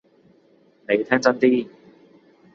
你聽真啲！